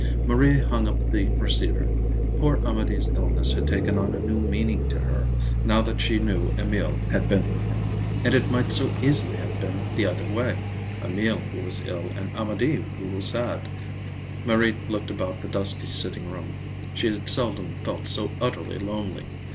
Marie hung up the receiver. Poor Amédée's illness had taken on a new meaning to her, now that she knew Emil had been with him. And it might so easily have been the other way—Emil who was ill and Amédée who was sad! Marie looked about the dusky sitting room. She had seldom felt so utterly lonely.